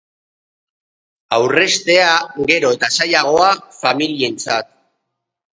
Aurreztea, gero eta zailagoa familientzat.